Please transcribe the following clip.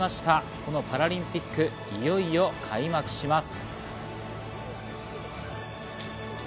このパラリンピック、いよいよ開幕します。